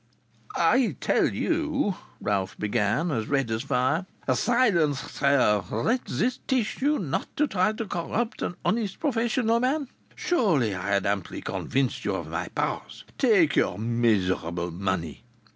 "I tell you " Ralph began, as red as fire. "Silence, sir! Let this teach you not to try to corrupt an honest professional man! Surely I had amply convinced you of my powers! Take your miserable money!"